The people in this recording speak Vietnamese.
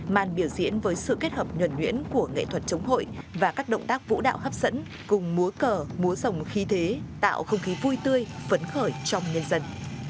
màn biểu diễn với sự kết hợp nhuẩn nhuyễn của nghệ thuật chống hội và các động tác vũ đạo hấp dẫn cùng múa cờ múa rồng khí thế tạo không khí vui tươi phấn khởi trong nhân dân